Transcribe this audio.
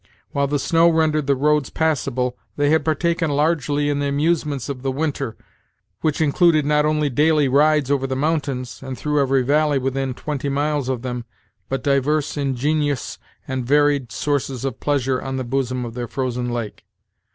While the snow rendered the roads passable, they had partaken largely in the amusements of the winter, which included not only daily rides over the mountains, and through every valley within twenty miles of them, but divers ingenious and varied sources of pleasure on the bosom of their frozen lake.